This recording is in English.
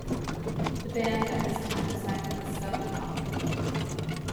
The band at this time signed with Sub Pop.